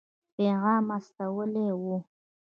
پیغام استولی وو.